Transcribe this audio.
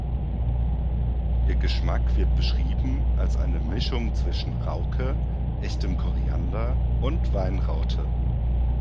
Ihr Geschmack wird beschrieben als eine Mischung zwischen Rauke, Echtem Koriander und Weinraute.